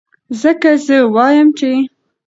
ځکه زۀ وائم چې